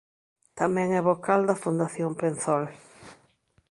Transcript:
Tamén é vocal da Fundación Penzol.